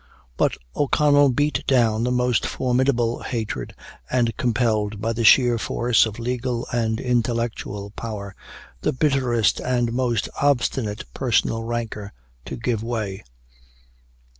But O'Connell beat down the most formidable hatred, and compelled, by the sheer force of legal and intellectual power, the bitterest and most obstinate personal rancor to give way.